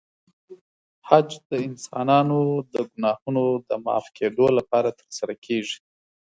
حج د انسانانو د ګناهونو د معاف کېدو لپاره ترسره کېږي.